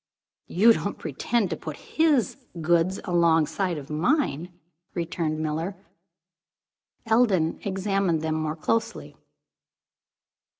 "You don't pretend to put his goods alongside of mine?" returned Miller. Eldon examined them more closely.